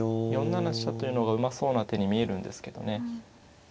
４七飛車というのがうまそうな手に見えるんですけどね。